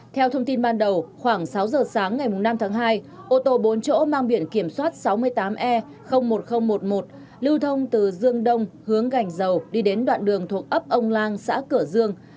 theo thông tin ban đầu khoảng sáu giờ sáng ngày năm tháng hai ô tô bốn chỗ mang biển kiểm soát sáu mươi tám e một nghìn một mươi một lưu thông từ dương đông hướng gành dầu đi đến đoạn đường thuộc ấp ông lan xã cửa dương